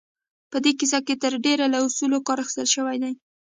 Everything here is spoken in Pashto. په دې کيسه کې تر ډېره له اصولو کار اخيستل شوی دی.